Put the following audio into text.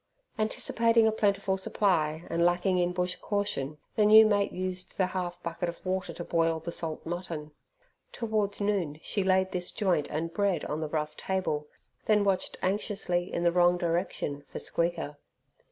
Anticipating a plentiful supply and lacking in bush caution, the new mate used the half bucket of water to boil the salt mutton. Towards noon she laid this joint and bread on the rough table, then watched anxiously in the wrong direction for Squeaker.